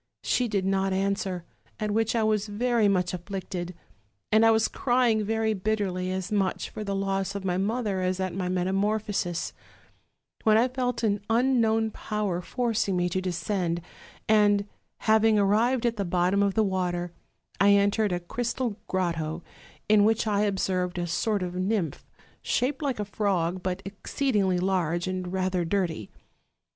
She did not answer, at which I was very much afflicted; and I was crying very bitterly, as much for the loss of my mother as at my metamorphosis, when I felt an unknown power forcing me to descend; and, having arrived at the bottom of the water, I entered a crystal grotto, in which I observed a sort of nymph, shaped like a frog, but exceedingly large, and rather dirty.